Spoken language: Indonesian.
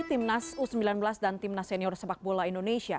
timnas u sembilan belas dan timnas senior sepak bola indonesia